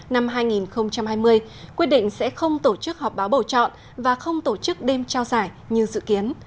năm hai nghìn hai mươi quyết định sẽ không tổ chức họp báo bầu chọn và không tổ chức đêm trao giải như dự kiến